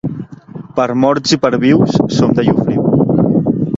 Per morts i per vius, som de Llofriu.